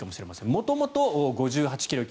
元々５８ｋｇ級。